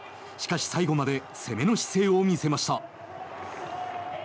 しかし最後まで攻めの姿勢を見せました。